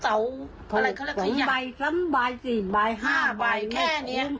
คุ้มไปถั้งไปสี่แล้วทำลาย๑๐๕บาทแค่เนี้ย